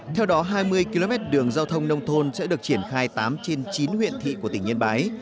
theo đó hai mươi km đường giao thông nông thôn sẽ được triển khai tám trên chín huyện thị của tỉnh yên bái